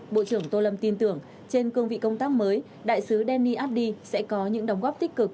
bộ trưởng tô lâm tin tưởng trên cương vị công tác mới đại sứ deni abdi sẽ có những đóng góp tích cực